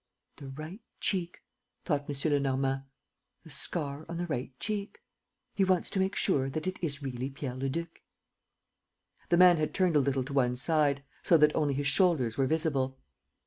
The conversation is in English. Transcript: "The right cheek," thought M. Lenormand, "the scar on the right cheek. ... He wants to make sure that it is really Pierre Leduc." The man had turned a little to one side, so that only his shoulders were visible.